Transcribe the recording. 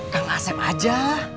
kang asep aja